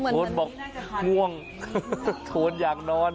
โทนบอกง่วงโทนอยากนอน